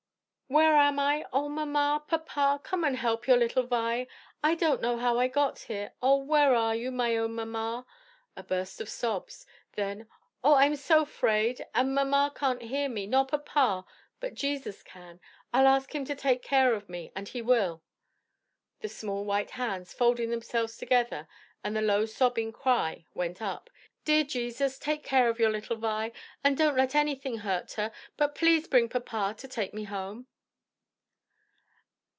"Where am I? O mamma, papa, come and help your little Vi! I don't know how I got here. Oh, where are you, my own mamma?" A burst of sobs; then "Oh, I'm so 'fraid! and mamma can't hear me, nor papa; but Jesus can; I'll ask him to take care of me; and he will." The small white hands folded themselves together and the low sobbing cry went up, "Dear Jesus, take care of your little Vi, and don't let anything hurt her; and please bring papa to take her home."